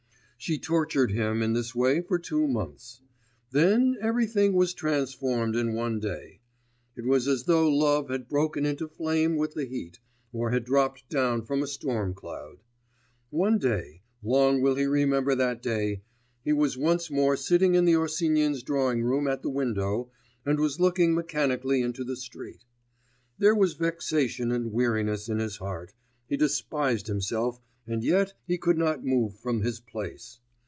She tortured him in this way for two months. Then everything was transformed in one day. It was as though love had broken into flame with the heat, or had dropped down from a storm cloud. One day long will he remember that day he was once more sitting in the Osinins' drawing room at the window, and was looking mechanically into the street. There was vexation and weariness in his heart, he despised himself, and yet he could not move from his place....